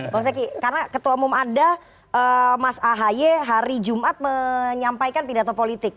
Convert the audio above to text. bang zaky karena ketua umum anda mas ahaye hari jumat menyampaikan pidato politik